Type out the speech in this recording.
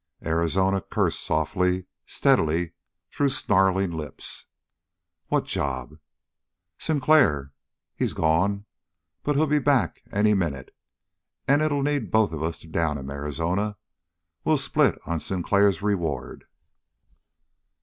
Arizona cursed softly, steadily, through snarling lips. "What job?" "Sinclair! He's gone, but he'll be back any minute. And it'll need us both to down him, Arizona. We'll split on Sinclair's reward."